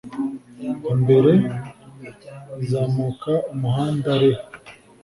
imbere zamuka umuhunda re